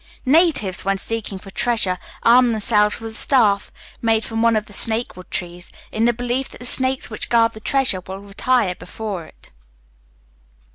Natives, when seeking for treasure, arm themselves with a staff made from one of the snake wood trees, in the belief that the snakes which guard the treasure will retire before it.